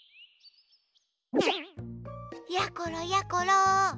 やころやころ！